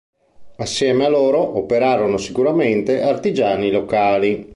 Assieme a loro, operarono sicuramente artigiani locali.